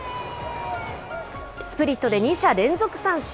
スプリットで２者連続三振。